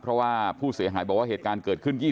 เพราะว่าผู้เสียหายบอกว่าเหตุการณ์เกิดขึ้น